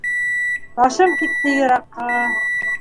Ташым китте йыраҡҡа.